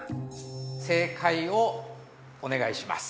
正解をお願いします。